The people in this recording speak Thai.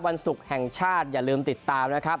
วันศุกร์แห่งชาติอย่าลืมติดตามนะครับ